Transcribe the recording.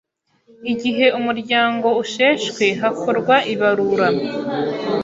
Igihe umuryango usheshwe hakorwa ibarura